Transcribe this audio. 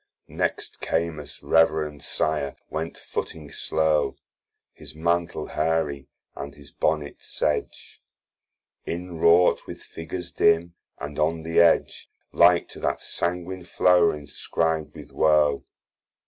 Next Camus, reverend Sire, went footing slow, His Mantle hairy, and his Bonnet sedge, Inwrought with figures dim, and on the edge Like to that sanguine flower inscrib'd with woe.